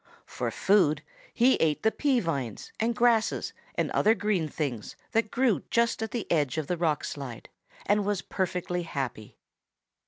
For food he ate the pea vines and grasses and other green things that grew just at the edge of the rock slide and was perfectly happy.